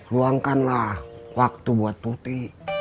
luangkanlah waktu buat tuti